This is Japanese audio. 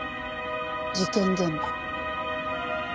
３事件現場。